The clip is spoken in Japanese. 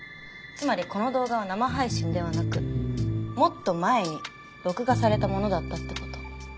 つまりこの動画は生配信ではなくもっと前に録画されたものだったって事。